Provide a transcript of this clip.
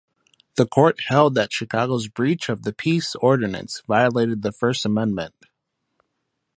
The Court held that Chicago's breach of the peace ordinance violated the First Amendment.